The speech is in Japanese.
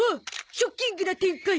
ショッキングな展開。